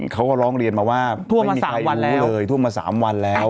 เขาก็ร้องเรียนมาว่าไม่มีใครวันนี้เลยท่วมมา๓วันแล้ว